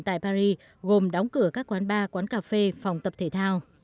tại paris gồm đóng cửa các quán bar quán cà phê phòng tập thể thao